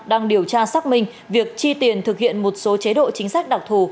đang điều tra xác minh việc chi tiền thực hiện một số chế độ chính sách đặc thù